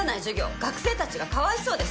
学生たちがかわいそうです」